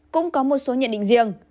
cũng có một số nhận định riêng